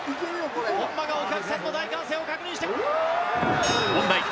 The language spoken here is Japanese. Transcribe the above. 本間がお客さんの大歓声を確認して。